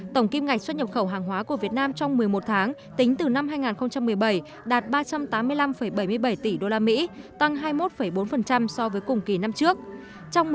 tổng kim ngạch xuất nhập khẩu hàng hóa của việt nam trong một mươi một tháng tính từ năm hai nghìn một mươi bảy đạt ba trăm tám mươi năm bảy mươi bảy tỷ usd tăng hai mươi một bốn so với cùng kỳ năm trước